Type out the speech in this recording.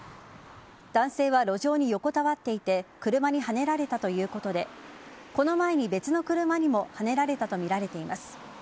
男性は路上に横たわっていて車に、はねられたということでこの前に別の車にもはねられたとみられています。